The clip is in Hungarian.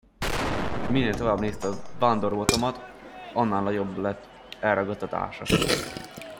És minél tovább nézte a vándorbotomat, annál nagyobb lett elragadtatása.